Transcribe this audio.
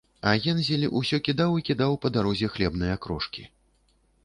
А Гензель усё кідаў і кідаў па дарозе хлебныя крошкі